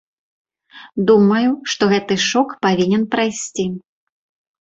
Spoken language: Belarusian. Думаю, што гэты шок павінен прайсці.